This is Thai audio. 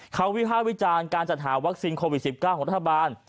เขาวิภาควิจารณ์การจัดหาวัคซีนโควิด๑๙ของรัฐบาล